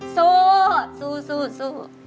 สู้สู้สู้สู้